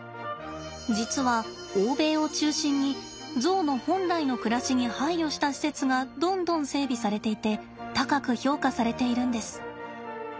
実は欧米を中心にゾウの本来の暮らしに配慮した施設がどんどん整備されていて高く評価されているんです。